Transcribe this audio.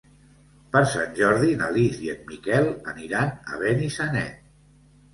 Per Sant Jordi na Lis i en Miquel aniran a Benissanet.